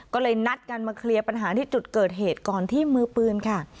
ก็เลยนัดกันมาเคลียร์ปัญหาที่จุดเกิดเหตุก่อนที่มือปืนค่ะ